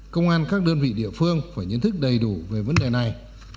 công an các đơn vị địa phương phải nhận thức đầy đủ về vấn đề này